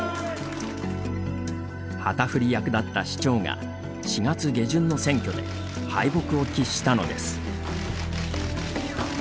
旗振り役だった市長が４月下旬の選挙で敗北を喫したのです。